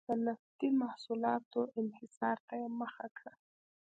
د نفتي محصولاتو انحصار ته یې مخه کړه.